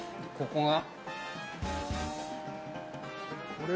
ここが。